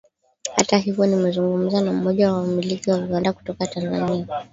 Hata hivyo nimezungumza na mmoja wa wamiliki wa viwanda kutoka Tanzania